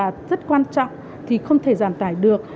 là rất quan trọng thì không thể giảm tải được